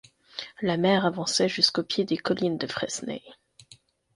La mer avançait jusqu'aux pieds des collines de Fresnay.